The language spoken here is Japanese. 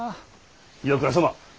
岩倉様。